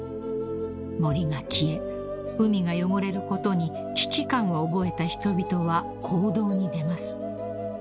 ［森が消え海が汚れることに危機感を覚えた人々は行動に出ます］